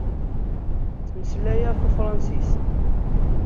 Ttmeslayeɣ tafṛansist.